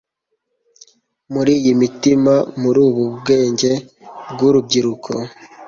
muri iyi mitima, muri ubu bwenge bw'urubyiruko